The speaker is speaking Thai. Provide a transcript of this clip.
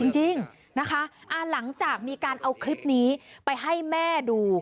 จริงนะคะหลังจากมีการเอาคลิปนี้ไปให้แม่ดู